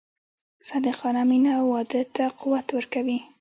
صادقانه مینه واده ته قوت ورکوي.